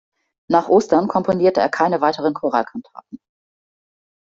Nach Ostern komponierte er keine weiteren Choralkantaten.